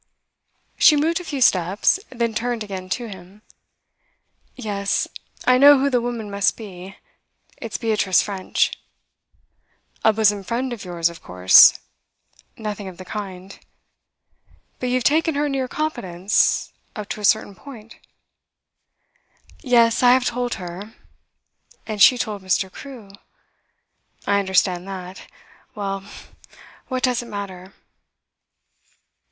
She moved a few steps, then turned again to him. 'Yes, I know who the woman must be. It's Beatrice French.' 'A bosom friend of yours, of course.' 'Nothing of the kind.' 'But you have taken her into your confidence up to a certain point?' 'Yes, I have told her. And she told Mr. Crewe? I understand that. Well, what does it matter?